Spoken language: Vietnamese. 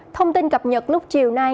thông tin cập nhật lúc chiều nay